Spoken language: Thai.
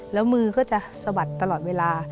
แล้วมือก็จะสะบัดตลอดเวลา